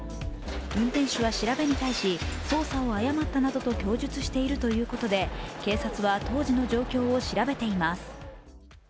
運転手は調べに対し操作を誤ったなどと供述しているということで警察は当時の状況を調べています。